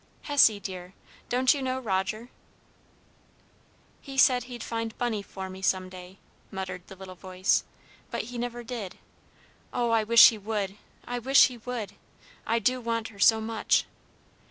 "Hessie, dear, don't you know Roger?" "He said he'd find Bunny for me some day," muttered the little voice; "but he never did. Oh, I wish he would! I wish he would! I do want her so much!"